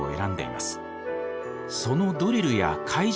そのドリルや会場